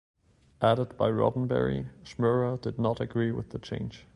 Added by Roddenberry, Schmerer did not agree with the change.